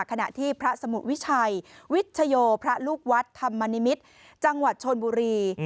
ขณะที่พระสมุทรวิชัยวิชโยพระลูกวัดธรรมนิมิตรจังหวัดชนบุรี